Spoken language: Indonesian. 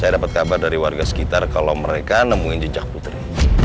saya dapat kabar dari warga sekitar kalau mereka nemuin jejak putri